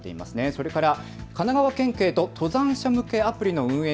それから神奈川県警と登山者向けアプリの運営